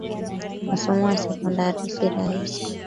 Masomo ya sekondari si rahisi